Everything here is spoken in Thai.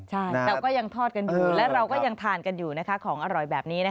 ใช่เราก็ยังทอดกันอยู่และเราก็ยังทานกันอยู่ของอร่อยแบบนี้